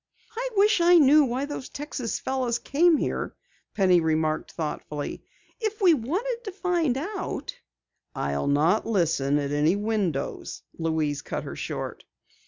"I wish I knew why those Texas fellows came here," Penny remarked thoughtfully. "If we wanted to find out " "I'll not listen at any window!" Louise cut her short.